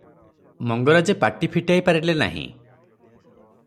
ମଙ୍ଗରାଜେ ପାଟି ଫିଟାଇ ପାରିଲେ ନାହିଁ ।